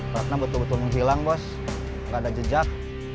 karena betul betul menghilang bos nggak ada jejak